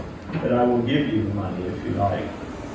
'But I will give you the money if you like.'